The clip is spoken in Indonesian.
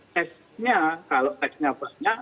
testnya kalau testnya banyak